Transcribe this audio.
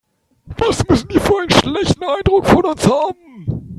Was müssen die für einen schlechten Eindruck von uns haben.